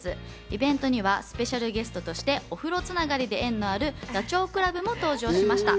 イベントにはスペシャルゲストとしてお風呂繋がりで縁のあるダチョウ倶楽部も登場しました。